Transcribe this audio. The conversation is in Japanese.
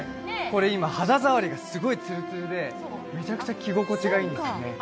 これ今、肌触りがすごいつるつるでめちゃくちゃ着心地がいいですね。